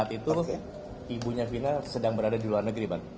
saat itu ibunya vina sedang berada di luar negeri bang